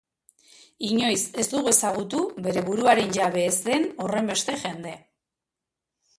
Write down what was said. Inoiz ez dugu ezagutu bere buruaren jabe ez den horrenbeste jende.